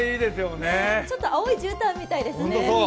ちょっと青いじゅうたんみたいですね。